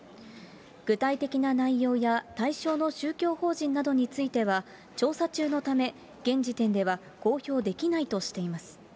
具体的な内容や対象の宗教法人などについては、調査中のため、現時点では公表できないとしています。